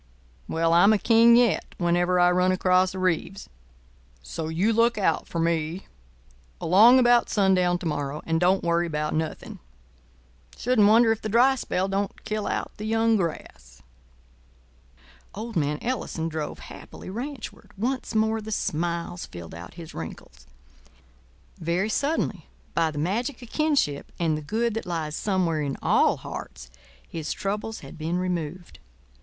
Well, I'm a King yet whenever I run across a Reeves. So you look out for me along about sundown to morrow, and don't worry about nothing. Shouldn't wonder if the dry spell don't kill out the young grass." Old man Ellison drove happily ranchward. Once more the smiles filled out his wrinkles. Very suddenly, by the magic of kinship and the good that lies somewhere in all hearts, his troubles had been removed.